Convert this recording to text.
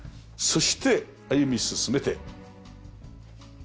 そして歩み進めて。